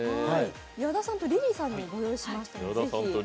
矢田さんとリリーさんにご用意しました。